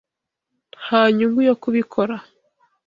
Nta nyungu yo kubikora.